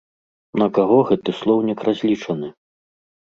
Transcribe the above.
На каго гэты слоўнік разлічаны?